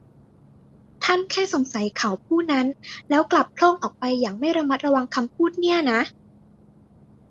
ท่านแค่สงสัยเขาผู้นั้น แล้วกลับโพล่งออกไปอย่างไม่ระมัดระวังคำพูดเนี่ยนะ